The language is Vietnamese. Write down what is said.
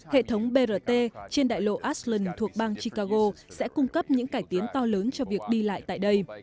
hệ thống brt trên đại lộ asland thuộc bang chicago sẽ cung cấp những cải tiến to lớn cho việc đi lại tại đây